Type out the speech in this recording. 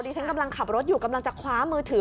ฉันกำลังขับรถอยู่กำลังจะคว้ามือถือ